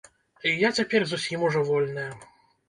Я цяпер зусім ужо вольная.